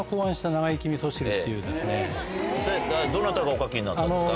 それどなたがお書きになったんですか？